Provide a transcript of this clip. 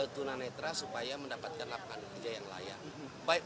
tunanetra supaya mendapatkan lapangan kerja yang layak